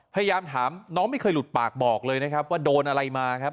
พยายามถามน้องไม่เคยหลุดปากบอกเลยนะครับว่าโดนอะไรมาครับ